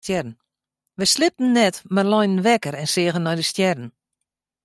Wy sliepten net mar leine wekker en seagen nei de stjerren.